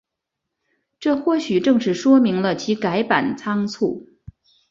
这或许正是说明了其改版仓促。